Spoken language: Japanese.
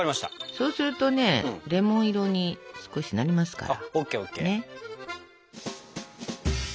そうするとねレモン色に少しなりますから。